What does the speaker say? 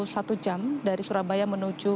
satu jam dari surabaya menuju